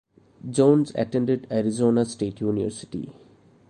Jones attended Arizona State University.